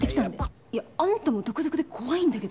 いやあんたも独特で怖いんだけど。